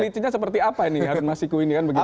kelincinya seperti apa ini harun masiku ini kan begitu